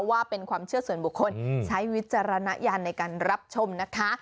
ว่าเป็นความเชื่อส่วนบุคคลใช้วิจารณญาณในการรับชมนะคะ